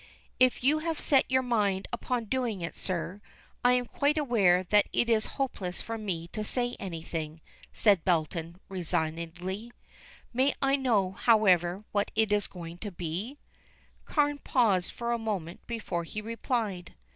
"If you have set your mind upon doing it, sir, I am quite aware that it is hopeless for me to say anything," said Belton resignedly. "May I know, however, what it is going to be?" Carne paused for a moment before he replied.